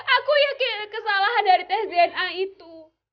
aku yakin kesalahan dari tzna itu